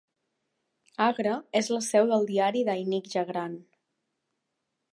Agra és la seu del diari Dainik Jagran.